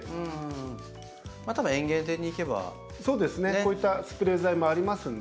こういったスプレー剤もありますんで。